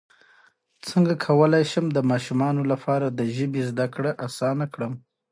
څنګه کولی شم د ماشومانو لپاره د ژبې زدکړه اسانه کړم